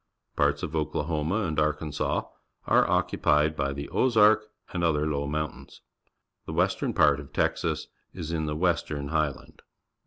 Parts of Oklahoma and Arkansas are occupied by the Ozark and other low mountains. The western part of Texas is in the Western Highland.